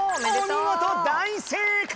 お見事大正解！